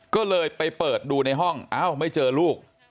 ก็เลยไปเปิดดูในห้องอ้าวไม่เจอลูก